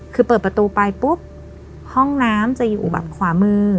คือเปิดประตูไปปุ๊บห้องน้ำจะอยู่แบบขวามือ